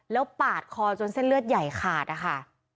แล้วปาดคอจนเส้นเลือดใหญ่ขาดนะคะ